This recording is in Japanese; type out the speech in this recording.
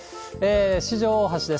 四条大橋です。